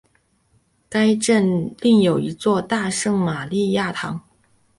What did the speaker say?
该镇另有一座大圣马利亚堂。